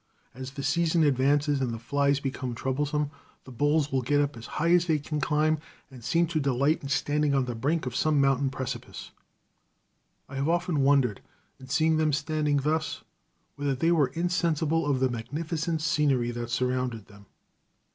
As the season advances and the flies become troublesome, the bulls will get up as high as they can climb and seem to delight in standing on the brink of some mountain precipice. I have often wondered, in seeing them standing thus, whether they were insensible of the magnificent scenery that surrounded them.